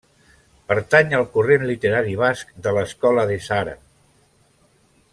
Pertany al corrent literari basc de l'Escola de Sara.